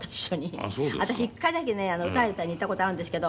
私１回だけね歌を歌いに行った事あるんですけど。